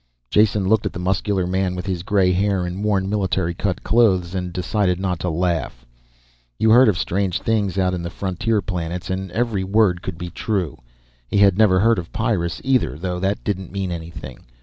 Jason looked at the muscular man with his gray hair and worn, military cut clothes, and decided not to laugh. You heard of strange things out in the frontier planets and every word could be true. He had never heard of Pyrrus either, though that didn't mean anything.